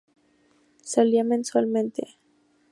Salía mensualmente.